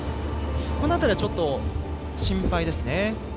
この辺り、ちょっと心配ですね。